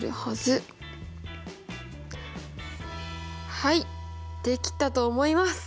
はいできたと思います！